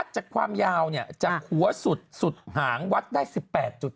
จากความยาวเนี่ยจากหัวสุดสุดหางวัดได้สิบแปดจุด